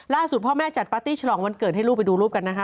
พ่อแม่จัดปาร์ตี้ฉลองวันเกิดให้ลูกไปดูรูปกันนะคะ